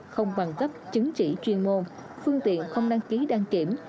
không bằng cấp chứng chỉ chuyên môn phương tiện không đăng ký đăng kiểm